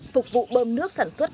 phục vụ bơm nước sản xuất